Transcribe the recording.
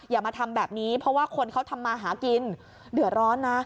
อย่ามาทำแบบนี้เพราะว่าคนเขาทำมาหากินเดือดร้อนนะ